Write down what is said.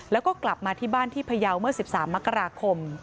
แล้วก็กลับมาที่บ้านที่พยาวเมื่อ๑๓มกราคม